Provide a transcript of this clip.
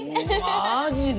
マジで？